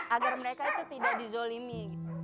agar mereka itu tidak dizolimi